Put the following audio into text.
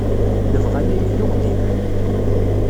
Nebɣa ad nili d uɣdimen.